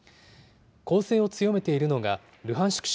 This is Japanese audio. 攻勢を強めているのがルハンシク